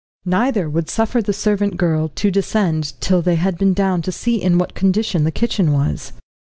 Neither would suffer the servant girl to descend till they had been down to see in what condition the kitchen was.